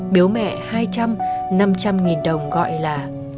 bố mẹ hai trăm linh năm trăm linh nghìn đồng gọi là